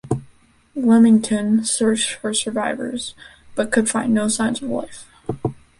"Leamington" searched for survivors but could find no signs of life.